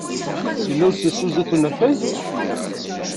Yella usensu sdat unafag?